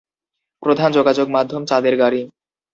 প্রধান যোগাযোগ মাধ্যম চাঁদের গাড়ি।